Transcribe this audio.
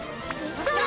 それ！